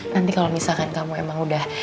nanti kalau misalkan kamu emang udah